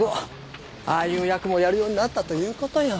ああいう役もやるようになったという事よ。